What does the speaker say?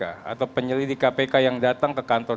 atau penyelidik kpk yang datang ke kantor